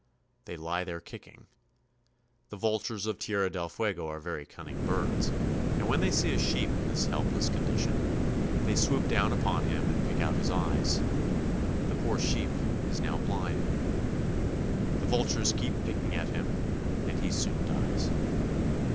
They lie there kicking. The vultures of Tierra del Fuego are very cun ning birds, and when they see a sheep in this helpless con dition, they swoop down upon him and pick out his eyes. The poor sheep is now blind. The vultures keep picking at him, and he soon dies.